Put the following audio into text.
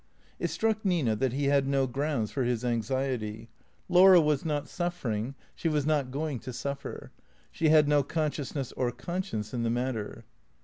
It struck Nina that he had no grounds for his anxiety. Laura was not suffering; she was not going to suffer. She had no consciousness or conscience in the matter.